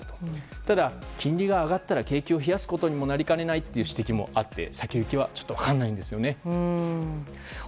ただ、金利が上がったら景気を増やすことにもなりかねないという指摘もあって先行きは分からないんです。